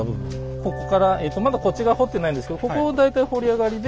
ここからえとまだこっち側掘ってないんですけどここ大体堀り上がりで